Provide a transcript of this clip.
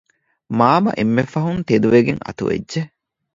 މާމަ އެންމެފަހުން ތެދުވެގެން އަތުވެއްޖެ